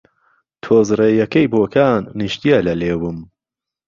تۆز رێیهکهی بۆکان، نیشتیه له لێوم